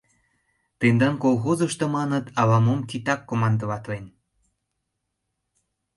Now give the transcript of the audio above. Тендан колхозышто, маныт, ала-мом титак командоватлен.